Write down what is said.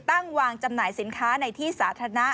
ตั้งวางจำหน่ายสินค้าในที่สาธารณะ